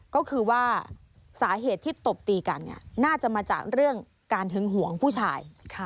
ก็คือว่าสาเหตุถูกปีกันน่าจะจากการเฮื้งหวงผู้ชาย